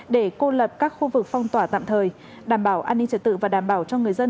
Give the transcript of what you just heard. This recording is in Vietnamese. để cô lập các khu vực phong tỏa tạm thời đảm bảo an ninh trật tự và đảm bảo cho người dân